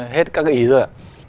hết các ý rồi